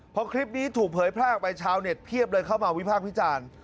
พอคลิปนี้ถูกเผยแพร่ออกไปชาวเน็ตเพียบเลยเข้ามาวิพากษ์วิจารณ์